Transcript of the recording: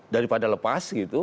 daripada lepas gitu